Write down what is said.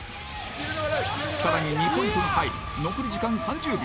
更に２ポイントが入り残り時間３０秒